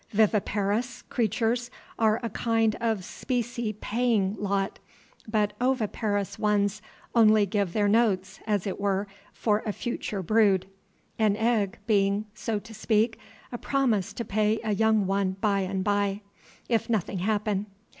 Viviparous, creatures are a kind of specie paying lot, but oviparous ones only give their notes, as it were, for a future brood, an egg being, so to speak, a promise to pay a young one by and by, if nothing happen.